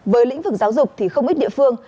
với lĩnh vực giáo dục thì không ít địa phương